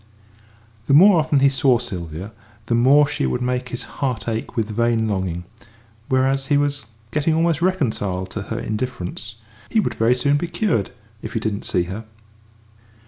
The more often he saw Sylvia the more she would make his heart ache with vain longing whereas he was getting almost reconciled to her indifference; he would very soon be cured if he didn't see her.